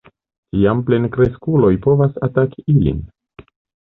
Tiam plenkreskuloj povas ataki ilin.